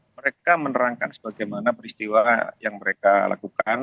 mereka menerangkan sebagaimana peristiwa yang mereka lakukan